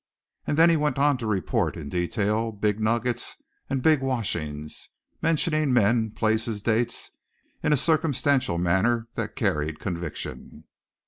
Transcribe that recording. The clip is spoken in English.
And he then went on to report in detail big nuggets and big washings, mentioning men, places, dates, in a circumstantial manner that carried conviction.